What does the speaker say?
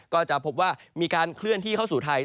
ก็จะพบว่ามีการเคลื่อนที่เข้าสู่ไทย